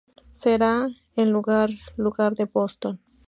Será en algún lugar de Boston.